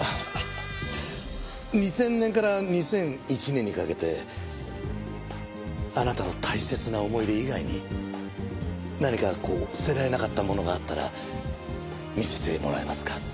２０００年から２００１年にかけてあなたの大切な思い出以外に何かこう捨てられなかったものがあったら見せてもらえますか？